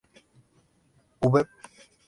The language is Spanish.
¿hube?